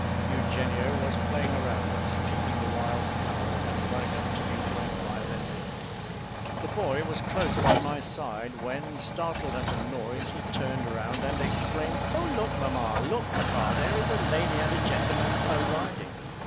Eugenio was playing around us, picking the wild flowers, and running up to me to inquire their names. The boy was close by my side, when, startled at a noise, he turned round and exclaimed "Oh! look, mamma, look, papa, there is a lady and a gentleman a riding."